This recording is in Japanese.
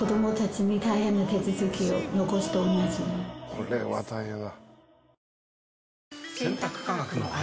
これは大変だ。